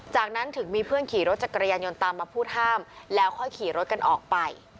จากนั้นถึงมีเพื่อนขี่รถจักรยานยนต์ตามมาพูดห้ามแล้วค่อยขี่รถกันออกไป